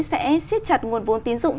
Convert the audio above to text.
sẽ siết chặt nguồn vốn tín dụng